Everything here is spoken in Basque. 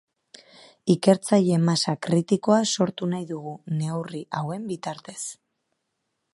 Ikertzaile masa kritikoa sortu nahi dugu neurri hauen bitartez.